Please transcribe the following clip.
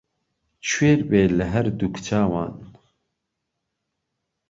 کوێر بێ له ههر دووک چاوان